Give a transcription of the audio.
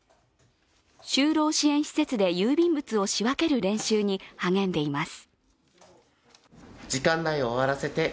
就労支援施設で郵便物を仕分ける練習に励んでいます。